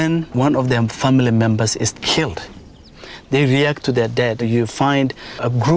họ chọn một loại cơm họ chạy đi với nó